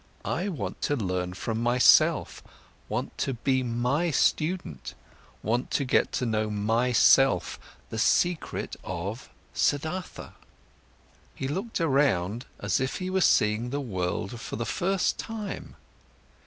I want to learn from myself, want to be my student, want to get to know myself, the secret of Siddhartha." He looked around, as if he was seeing the world for the first time.